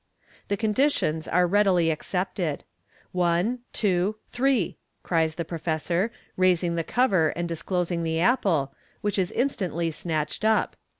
The conditions are readily accepted. " One, two, three !" cries the professor, raising the cover and disclosing the apple, which is instantly snatched up.